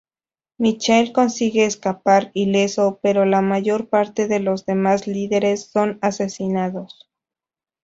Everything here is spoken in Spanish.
Michael consigue escapar ileso, pero la mayor parte de los demás líderes son asesinados.